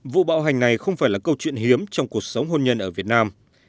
vụ bạo hành này không phải là câu chuyện hiếm trong cuộc sống hôn nhân ở việt nam